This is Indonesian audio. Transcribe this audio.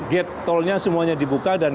gate tolnya semuanya dibuka dan